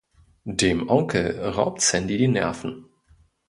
Dem Onkel raubt Sandy die Nerven.